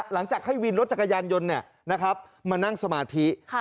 หลังจากให้วินรถจักรยานยนต์เนี่ยนะครับมานั่งสมาธิค่ะ